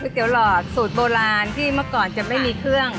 เตี๋ยหลอดสูตรโบราณที่เมื่อก่อนจะไม่มีเครื่อง